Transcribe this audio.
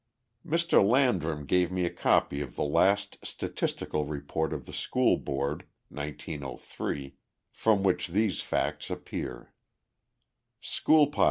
Mr. Landrum gave me a copy of the last statistical report of the school board (1903), from which these facts appear: School No.